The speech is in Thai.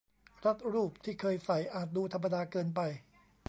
รัดรูปที่เคยใส่อาจดูธรรมดาเกินไป